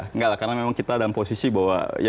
enggak lah karena memang kita dalam posisi bahwa ya